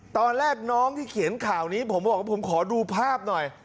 ตอนแรกน้องที่เขียนข่าวนี้ผมบอกว่าผมขอดูภาพหน่อย